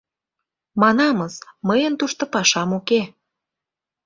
— Манамыс: мыйын тушто пашам уке.